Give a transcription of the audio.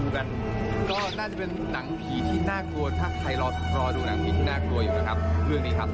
แต่ก็น่าจะเป็นหนังผีที่น่ากลัวถ้าใครรอดูหนังผีน่ากลัวอยู่นะครับเรื่องนี้ครับ